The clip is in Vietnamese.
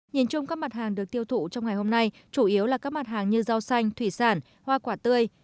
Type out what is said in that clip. nhìn chung các mặt hàng được tiêu thụ trong ngày hôm nay chủ yếu là các mặt hàng như rau xanh thủy sản hoa quả tươi